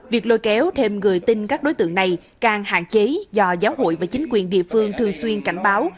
việc lôi kéo thêm người tin các đối tượng này càng hạn chế do giáo hội và chính quyền địa phương thường xuyên cảnh báo